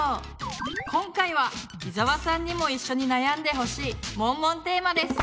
今回は伊沢さんにも一緒に悩んでほしいモンモンテーマです。